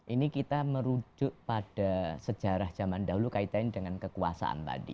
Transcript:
ini kita merujuk pada sejarah zaman dahulu kaitannya dengan kekuasaan tadi